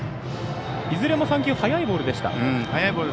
いずれも３球、速いボールでした。